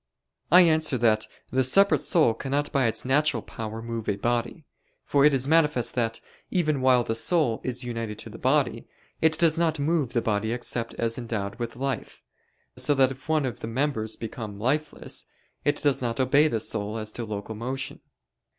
I answer that, The separate soul cannot by its natural power move a body. For it is manifest that, even while the soul is united to the body, it does not move the body except as endowed with life: so that if one of the members become lifeless, it does not obey the soul as to local motion.